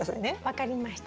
分かりました。